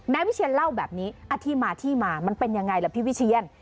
นายวิเชียนเล่าแบบนี้ที่มาที่มามันเป็นยังไงล่ะพี่วิเชียน